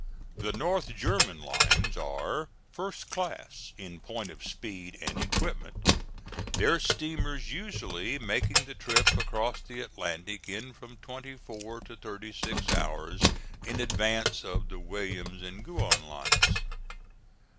The North German lines are first class in point of speed and equipment, their steamers usually making the trip across the Atlantic in from twenty four to thirty six hours in advance of the Williams and Guion lines.